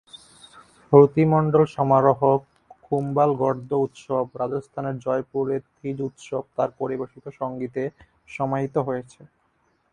শ্রুতি-মণ্ডল-সমারোহ, কুম্ভাল-গর্দ্ধ-উৎসব, রাজস্থানের জয়পুরে তীজ-উৎসব তাঁর পরিবেশিত সঙ্গীতে সমাহিত হয়েছে।